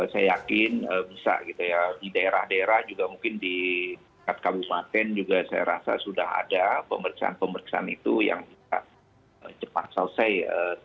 saya yakin bisa gitu ya di daerah daerah juga mungkin di kabupaten juga saya rasa sudah ada pemeriksaan pemeriksaan itu yang bisa cepat selesai ya